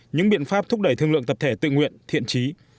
những biện pháp thúc đẩy thương lượng tập thể tự nguyện thiện trí